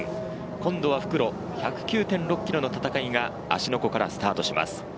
今度は復路１０９．６ｋｍの戦いが芦ノ湖からスタートします。